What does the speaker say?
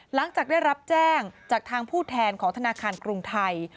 หลังจากได้รับแจ้งจากทางผู้แทนของธนาคารกรุงไทย